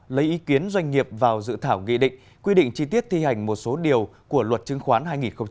lấy ý kiến doanh nghiệp vào dự thảo nghị định quy định chi tiết thi hành một số điều của luật chứng khoán hai nghìn một mươi chín